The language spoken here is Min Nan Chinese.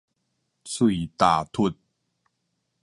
喙踏脫